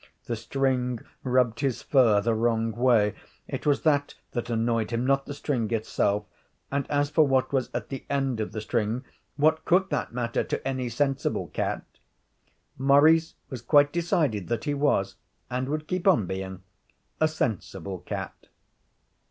The string rubbed his fur the wrong way it was that that annoyed him, not the string itself; and as for what was at the end of the string, what could that matter to any sensible cat? Maurice was quite decided that he was and would keep on being a sensible cat.